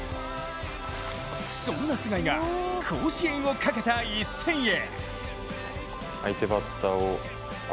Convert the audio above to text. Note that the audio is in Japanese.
そんな菅井が甲子園をかけた一戦へ。